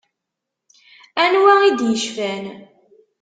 Anwa i d-yecfan?